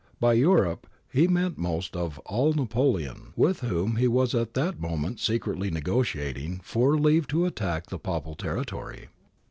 ^ By ' Europe ' he meant most of all Napoleon, with whom he was at that moment secretly negotiating for leave to attack the Papal territory.